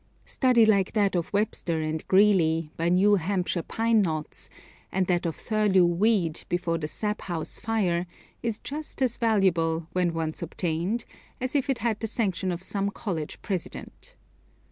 Study like that of Webster and Greeley, by New Hampshire pine knots, and that of Thurlow Weed before the sap house fire, is just as valuable, when once obtained, as if it had the sanction of some college president.